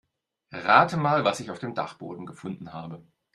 Rate mal, was ich auf dem Dachboden gefunden habe.